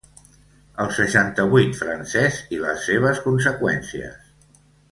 El seixanta-vuit francès i les seves conseqüències